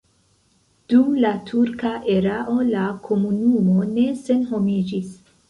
Dum la turka erao la komunumo ne senhomiĝis.